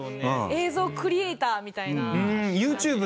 映像クリエーターみたいな。